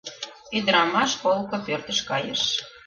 Ӱдырамаш полко пӧртыш кайыш.